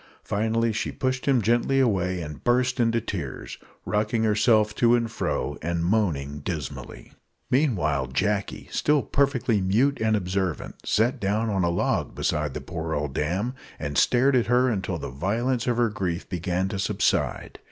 Finally, she pushed him gently away and burst into tears rocking herself to and fro, and moaning dismally. Meanwhile Jacky, still perfectly mute and observant, sat down on a log beside the poor old dame, and stared at her until the violence of her grief began to subside.